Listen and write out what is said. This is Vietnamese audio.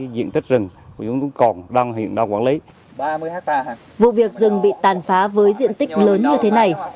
vụ việc rừng bị tàn phá với diện tích lớn như thế này